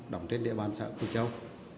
đỏng trên địa bàn xã quỳnh châu